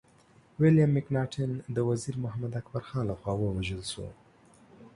ويليم مکناټن د وزير محمد اکبر خان لخوا ووژل شو.